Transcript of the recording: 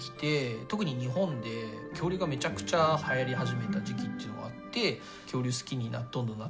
特に日本で恐竜がめちゃくちゃはやり始めた時期っていうのがあって恐竜好きにどんどんなってって。